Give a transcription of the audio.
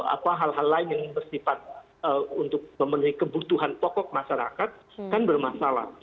apa hal hal lain yang bersifat untuk memenuhi kebutuhan pokok masyarakat kan bermasalah